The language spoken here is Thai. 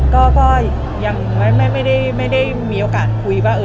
ก็ยังไม่ได้มีโอกาสคุยว่า